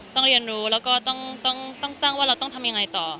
ต้องเรียนรู้แล้วก็ต้องตั้งว่าเราต้องทำยังไงต่อ